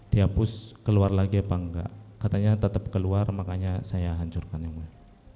dihapus keluar lagi apa enggak katanya tetap keluar makanya saya hancurkan yang mulia